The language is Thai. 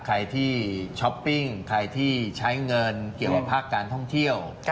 ใครที่ช้อปปิ้งใครที่ใช้เงินเกี่ยวกับภาคการท่องเที่ยว